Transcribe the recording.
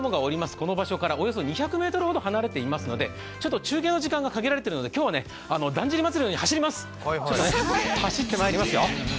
この場所からおよそ２００ｍほど離れていますので中継の時間が限られているので今日はだんじり祭のように走ってまいりますよ。